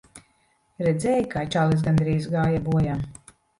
Redzēji, kā čalis gandrīz gāja bojā.